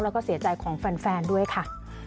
แล้วก็เสียใจของแฟนด้วยค่ะ